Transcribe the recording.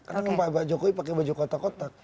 karena pak jokowi pakai baju kotak kotak